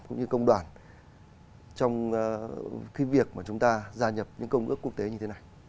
cũng như công đoàn trong cái việc mà chúng ta gia nhập những công ước quốc tế như thế này